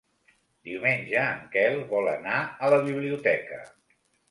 Diumenge en Quel vol anar a la biblioteca.